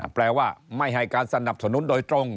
แปลว่าไม่ให้การสนับสนุนโดยตรง